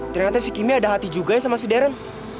ternyata si kimi ada hati juga sama si deren